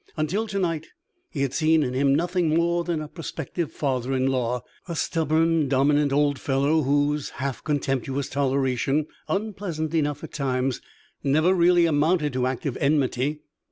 Until to night he had seen in him nothing more than a prospective father in law, a stubborn, dominant old fellow whose half contemptuous toleration, unpleasant enough at times, never really amounted to active enmity.